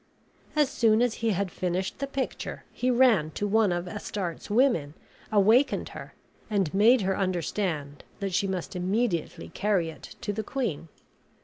As soon as he had finished the picture he ran to one of Astarte's women, awakened her, and made her understand that she must immediately carry it to the queen.